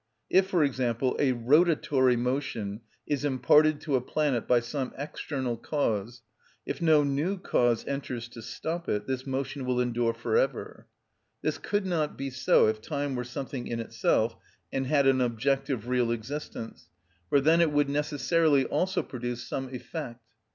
If, for example, a rotatory motion is imparted to a planet by some external cause, if no new cause enters to stop it, this motion will endure for ever. This could not be so if time were something in itself and had an objective, real existence; for then it would necessarily also produce some effect.